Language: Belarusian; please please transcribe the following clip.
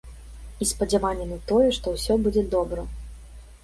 І спадзяванне на тое, што ўсё будзе добра.